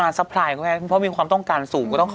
รู้หรือ